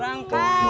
tidak zgok nganjik